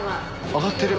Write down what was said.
上がってる。